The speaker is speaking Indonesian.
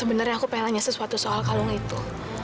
sebenarnya aku pengen nanya sesuatu soal kalung itu